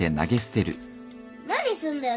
何すんだよ